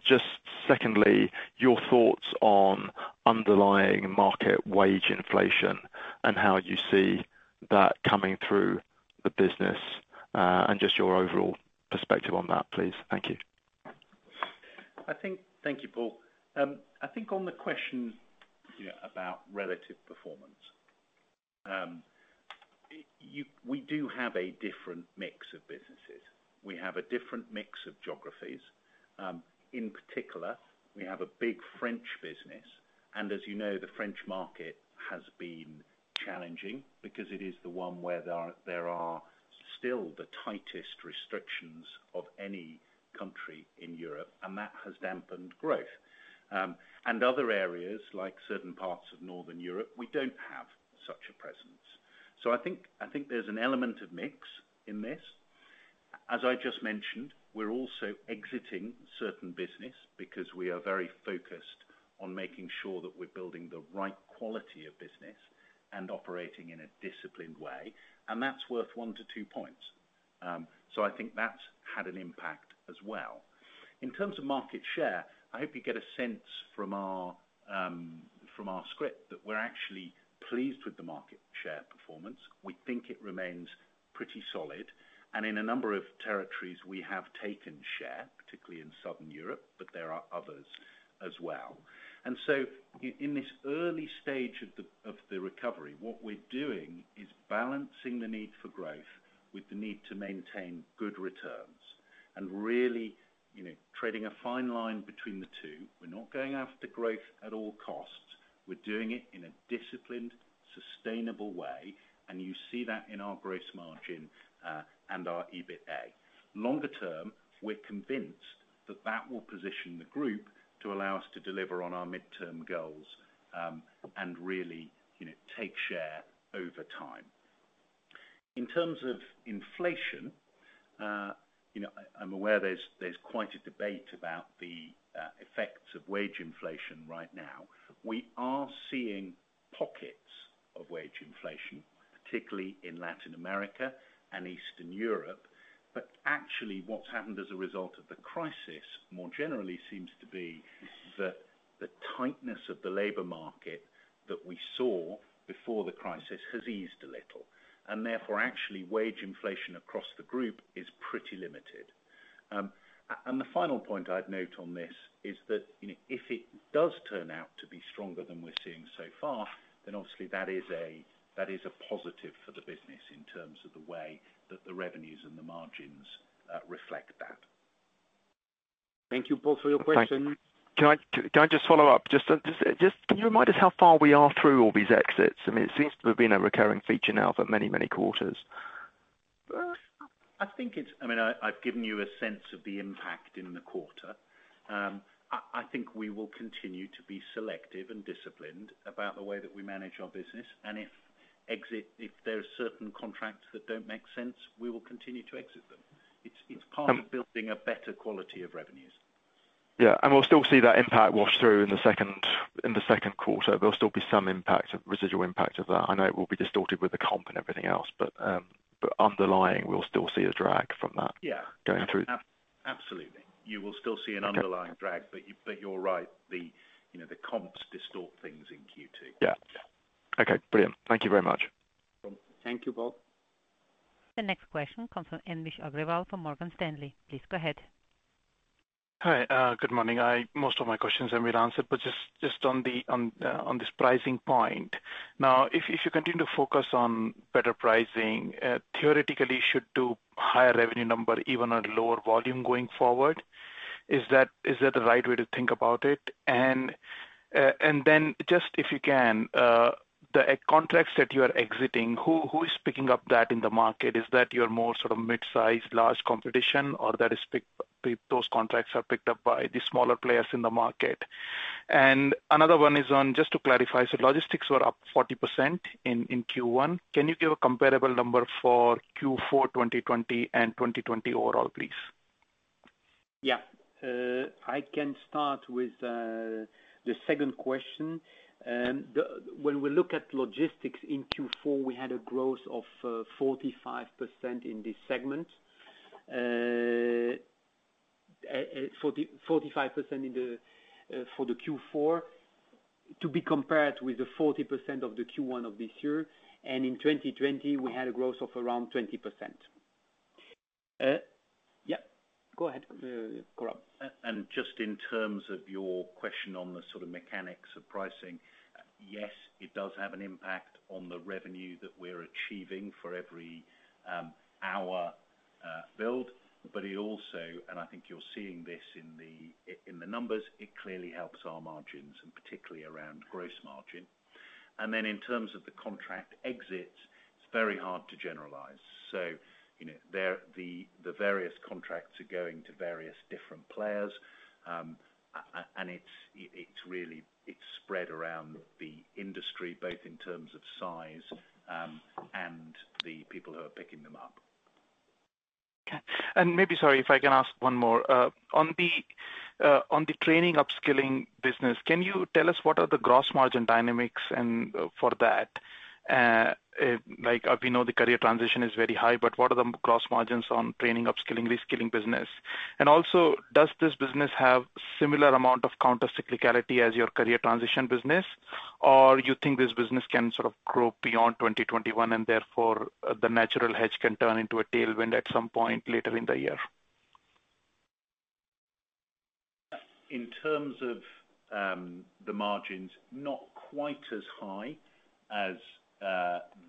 Just secondly, your thoughts on underlying market wage inflation and how you see that coming through the business and just your overall perspective on that, please. Thank you. Thank you, Paul. I'm thinking about the question about relative performance. We do have a different mix of businesses. We have a different mix of geographies. In particular, we have a big French business, and as you know, the French market has been challenging because it is the one where there are still the tightest restrictions of any country in Europe, and that has dampened growth. Other areas, like certain parts of Northern Europe, we don't have such a presence. I think there's an element of mix in this. As I just mentioned, we're also exiting certain businesses because we are very focused on making sure that we're building the right quality of business and operating in a disciplined way, and that's worth one-two points. I think that's had an impact as well. In terms of market share, I hope you get a sense from our script that we're actually pleased with the market share performance. We think it remains pretty solid, and in a number of territories, we have taken share, particularly in Southern Europe, but there are others as well. In this early stage of the recovery, what we're doing is balancing the need for growth with the need to maintain good returns and really treading a fine line between the two. We're not going after growth at all costs. We're doing it in a disciplined, sustainable way, and you see that in our gross margin and our EBITA. Longer term, we're convinced that that will position the group to allow us to deliver on our midterm goals and really take share over time. In terms of inflation, I'm aware there's quite a debate about the effects of wage inflation right now. We are seeing pockets of wage inflation, particularly in Latin America and Eastern Europe. Actually what's happened as a result of the crisis more generally seems to be that the tightness of the labor market that we saw before the crisis has eased a little, and therefore actually wage inflation across the group is pretty limited. The final point I'd note on this is that if it does turn out to be stronger than we're seeing so far, then obviously that is a positive for the business in terms of the way that the revenues and the margins reflect that. Thank you, Paul, for your question. Can I just follow up? Can you remind us how far we are through all these exits? I mean, it seems to have been a recurring feature now for many, many quarters. I've given you a sense of the impact in the quarter. I think we will continue to be selective and disciplined about the way that we manage our business. If there are certain contracts that don't make sense, we will continue to exit them. It's part of building a better quality of revenues. Yeah. We'll still see that impact wash through in the second quarter. There'll still be some residual impact of that. I know it will be distorted with the comp and everything else, but underlying, we'll still see a drag from that. Yeah going through. Absolutely. You will still see an underlying drag. Okay. You're right, the comps distort things in Q2. Yeah. Okay, brilliant. Thank you very much. Thank you, Paul. The next question comes from Anvesh Agrawal from Morgan Stanley. Please go ahead. Hi, good morning. Most of my questions have been answered, just on this pricing point. If you continue to focus on better pricing, theoretically you should do a higher revenue number even at lower volume going forward. Is that the right way to think about it? Just if you can, the contracts that you are exiting, who is picking those up in the market? Is that your more sort of mid-size large competition, or are those contracts picked up by the smaller players in the market? Another one is on, just to clarify, so logistics were up 40% in Q1. Can you give a comparable number for Q4 2020 and 2020 overall, please? Yeah. I can start with the second question. When we look at logistics in Q4, we had a growth of 45% in this segment. 45% for Q4, to be compared with the 40% of the Q1 of this year, and in 2020, we had a growth of around 20%. Yeah, go ahead, Coram. Just in terms of your question on the sort of mechanics of pricing, yes, it does have an impact on the revenue that we're achieving for every hour billed. It also, and I think you're seeing this in the numbers, clearly helps our margins, and particularly around gross margin. In terms of the contract exits, it's very hard to generalize. The various contracts are going to various different players. It's spread around the industry, both in terms of size and the people who are picking them up. Okay. Maybe, sorry, if I can ask one more. In the training and upskilling business, can you tell us what the gross margin dynamics are for that? We know the career transition is very high, but what are the gross margins on training, upskilling, reskilling business? Also, does this business have a similar amount of countercyclicality as your career transition business? You think this business can sort of grow beyond 2021, and therefore, the natural hedge can turn into a tailwind at some point later in the year? In terms of the margins, not quite as high as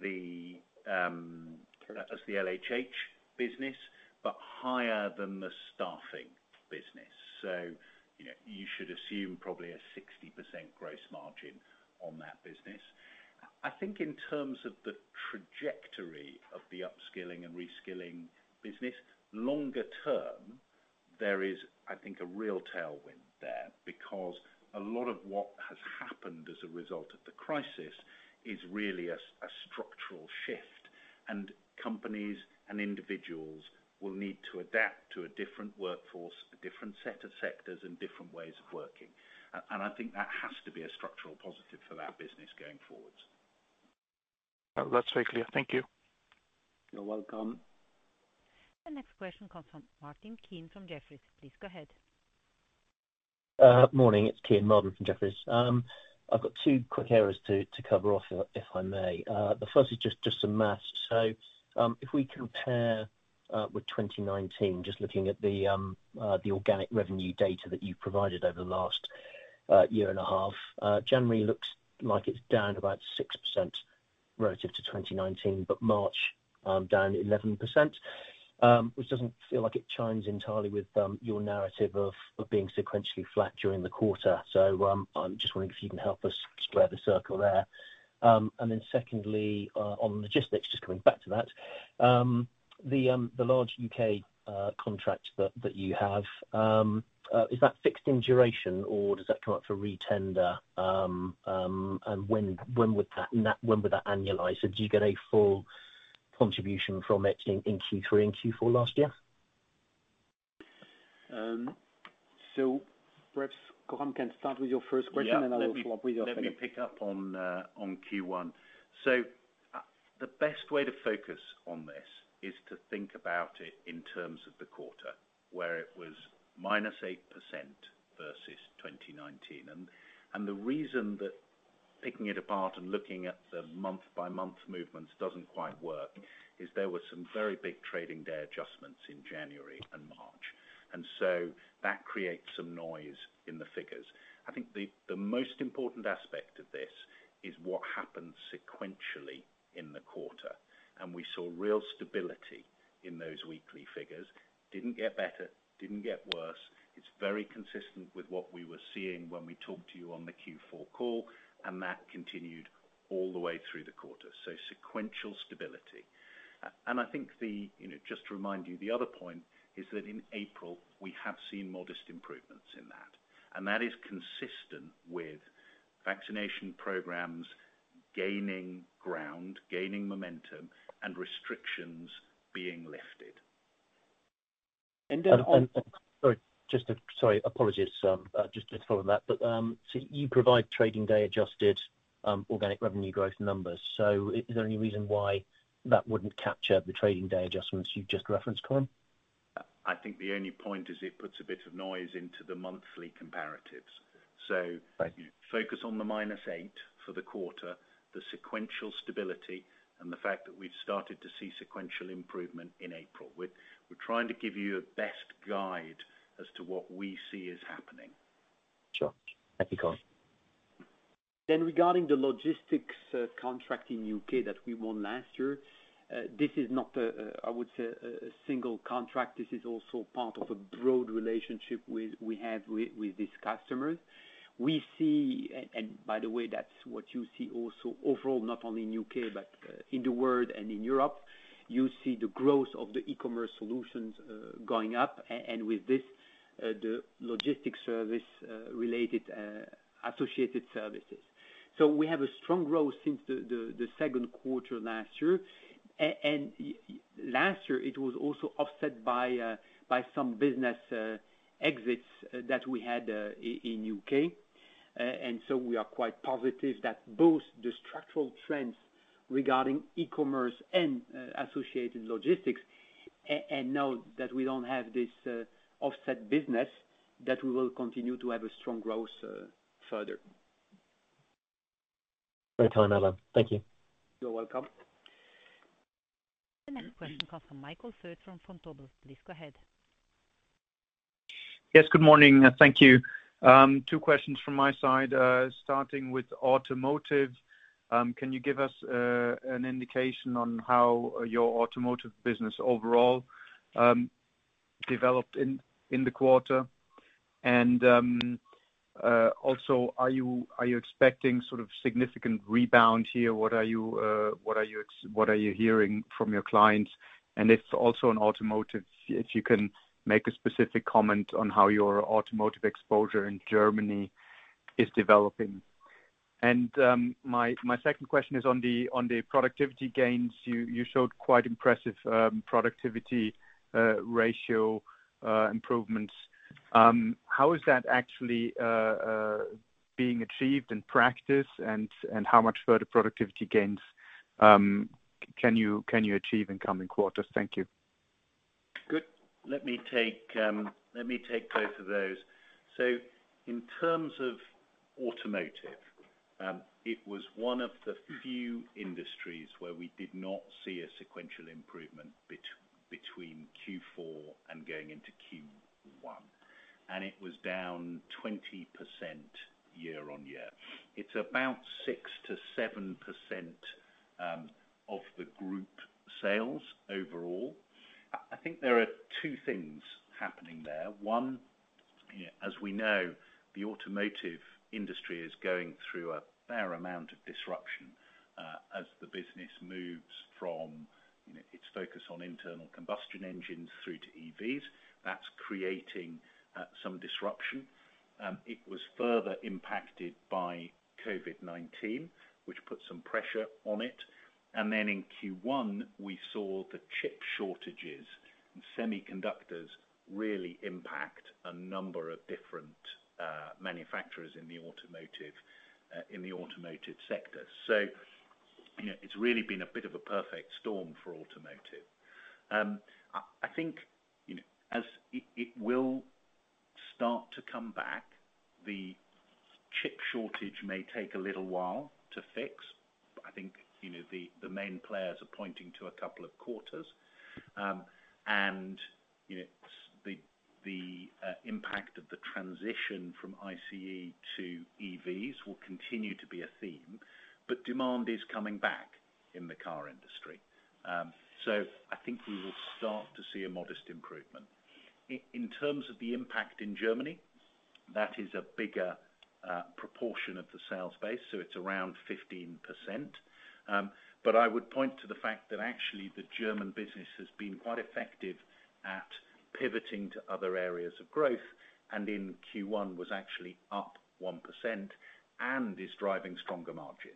the LHH business, but higher than the staffing business. You should assume probably a 60% gross margin on that business. I think in terms of the trajectory of the upskilling and reskilling business, longer term, there is, I think, a real tailwind there because a lot of what has happened as a result of the crisis is really a structural shift, and companies and individuals will need to adapt to a different workforce, a different set of sectors, and different ways of working. I think that has to be a structural positive for that business going forward. That's very clear. Thank you. You're welcome. The next question comes from Kean Marden from Jefferies. Please go ahead. Morning, it's Kean Marden from Jefferies. I've got two quick areas to cover off, if I may. The first is just some math. If we compare with 2019, just looking at the organic revenue data that you've provided over the last year and a half, January looks like it's down about 6% relative to 2019, March down 11%, which doesn't feel like it chimes entirely with your narrative of being sequentially flat during the quarter. I'm just wondering if you can help us square the circle there. Secondly, on logistics, just coming back to that. The large U.K. contract that you have, is that fixed in duration, or does that come up for re-tender? When would that annualize? Did you get a full contribution from it in Q3 and Q4 last year? Perhaps Coram can start with your first question, and I will follow up with your second. Let me pick up on Q1. The best way to focus on this is to think about it in terms of the quarter, where it was -8% versus 2019. The reason that picking it apart and looking at the month-by-month movements doesn't quite work is that there were some very big trading day adjustments in January and March. That creates some noise in the figures. I think the most important aspect of this is what happened sequentially in the quarter, and we saw real stability in those weekly figures. Didn't get better, didn't get worse. It's very consistent with what we were seeing when we talked to you on the Q4 call, and that continued all the way through the quarter. Sequential stability. I think just to remind you, the other point is that in April, we have seen modest improvements in that, and that is consistent. Vaccination programs are gaining ground and gaining momentum, and restrictions are being lifted. And then- Sorry, my apologies. Just to follow that. You provide trading-day-adjusted organic revenue growth numbers. Is there any reason why that wouldn't capture the trading day adjustments you've just referenced, Coram? I think the only point is it puts a bit of noise into the monthly comparatives. Focus on the minus eight for the quarter, the sequential stability, and the fact that we've started to see sequential improvement in April. We're trying to give you the best guide as to what we see is happening. Sure. Thank you, Coram. Regarding the logistics contract in the U.K. that we won last year. This is not, I would say, a single contract. This is also part of a broad relationship we have with these customers. We see, by the way, that's what you see also overall, not only in U.K. but in the world and in Europe. You see the growth of the e-commerce solutions going up, and with this, the logistics services and related associated services. We have had strong growth since the second quarter of last year. Last year, it was also offset by some business exits that we had in the U.K. We are quite positive that both the structural trends regarding e-commerce and associated logistics and the fact that we don't have this offset business will continue to have strong growth further. Great. Thank you. You're welcome. The next question comes from Michael Foeth from Vontobel. Please go ahead. Yes, good morning. Thank you. Two questions from my side. Starting with automotive. Can you give us an indication of how your automotive business overall developed in the quarter? Also, are you expecting some sort of significant rebound here? What are you hearing from your clients? If also in automotive, can you make a specific comment on how your automotive exposure in Germany is developing? My second question is on the productivity gains. You showed quite impressive productivity ratio improvements. How is that actually being achieved in practice, and how much further productivity gains can you achieve in coming quarters? Thank you. Good. Let me take both of those. In terms of automotive, it was one of the few industries where we did not see a sequential improvement between Q4 and going into Q1. It was down 20% year-on-year. It's about 6%-7% of the group sales overall. I think there are two things happening there. One, as we know, the automotive industry is going through a fair amount of disruption as the business moves from its focus on internal combustion engines through to EVs. That's creating some disruption. It was further impacted by COVID-19, which put some pressure on it. In Q1, we saw the chip shortages and semiconductors really impact a number of different manufacturers in the automotive sector. It's really been a bit of a perfect storm for automotive. I think as it will start to come back, the chip shortage may take a little while to fix. I think the main players are pointing to a couple of quarters. The impact of the transition from ICE to EVs will continue to be a theme, but demand is coming back in the car industry. I think we will start to see a modest improvement. In terms of the impact in Germany, that is a bigger proportion of the sales base, so it's around 15%. I would point to the fact that actually the German business has been quite effective at pivoting to other areas of growth and in Q1 was actually up 1% and is driving stronger margins.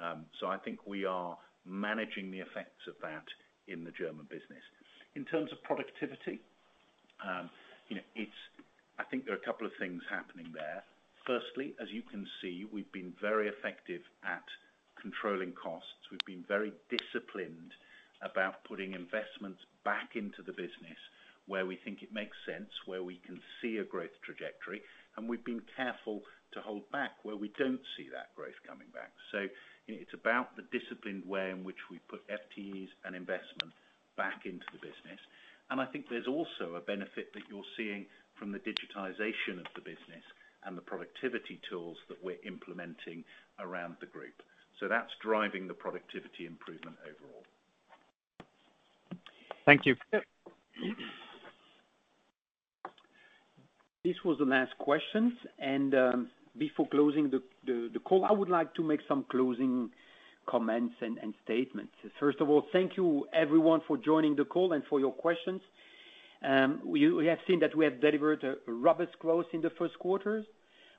I think we are managing the effects of that in the German business. In terms of productivity, I think there are a couple of things happening there. As you can see, we've been very effective at controlling costs. We've been very disciplined about putting investments back into the business where we think it makes sense, where we can see a growth trajectory, and we've been careful to hold back where we don't see that growth coming back. It's about the disciplined way in which we put FTEs and investment back into the business. I think there's also a benefit that you're seeing from the digitization of the business and the productivity tools that we're implementing around the group. That's driving the productivity improvement overall. Thank you. This was the last question. Before closing the call, I would like to make some closing comments and statements. First of all, thank you, everyone, for joining the call and for your questions. We have seen that we have delivered robust growth in the first quarter,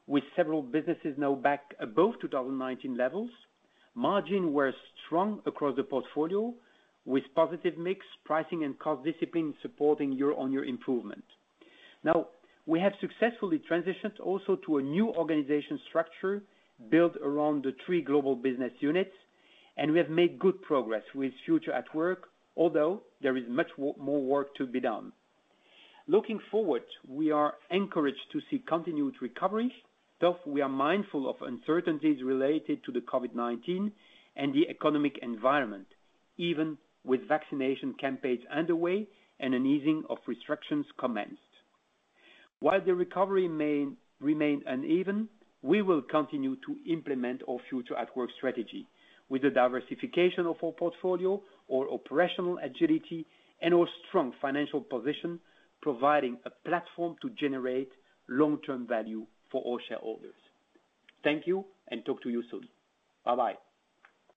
with several businesses now back above 2019 levels. Margins were strong across the portfolio, with positive mix pricing and cost discipline supporting year-on-year improvement. We have successfully transitioned also to a new organization structure built around the three global business units, and we have made good progress with Future@Work, although there is much more work to be done. Looking forward, we are encouraged to see continued recovery, though we are mindful of uncertainties related to COVID-19 and the economic environment, even with vaccination campaigns underway and an easing of restrictions commenced. While the recovery may remain uneven, we will continue to implement our Future@Work strategy with the diversification of our portfolio, our operational agility, and our strong financial position, providing a platform to generate long-term value for all shareholders. Thank you, and talk to you soon. Bye-bye.